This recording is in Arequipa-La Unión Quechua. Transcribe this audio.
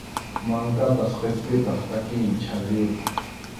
Mankapas qispipas pʼakiymi chhalluyqa.